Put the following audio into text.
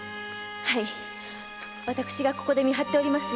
〔私がここで見張っております